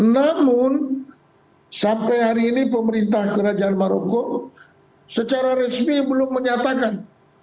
namun sampai hari ini pemerintah kerajaan maroko secara resmi belum menyatakan